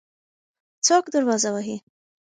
څوک دروازه وهي؟